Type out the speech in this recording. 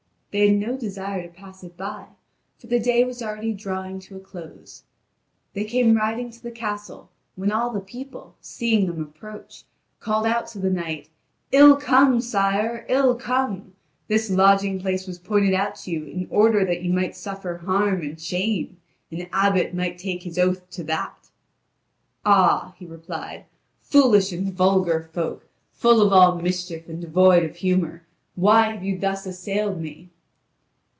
They had no desire to pass it by, for the day was already drawing to a close. They came riding to the castle, when all the people, seeing them approach, called out to the knight: "Ill come, sire, ill come. This lodging place was pointed out to you in order that you might suffer harm and shame. An abbot might take his oath to that." "Ah," he replied, "foolish and vulgar folk, full of all mischief, and devoid of honour, why have you thus assailed me?"